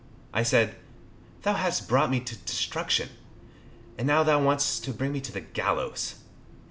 I said, "Thou hast brought me to destruction, and now thou wants to bring me to the gallows."